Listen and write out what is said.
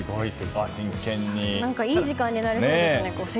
いい時間になりそうですね。